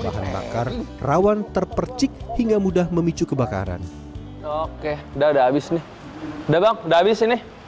bahan bakar rawan terpercik hingga mudah memicu kebakaran udah udah habis nih udah udah abis sini